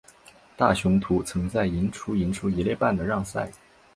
大雄图曾在赢出赢出一哩半的让赛。